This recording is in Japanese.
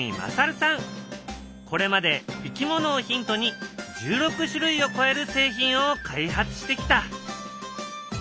これまでいきものをヒントに１６種類を超える製品を開発してきた。